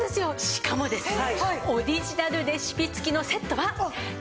しかもですね。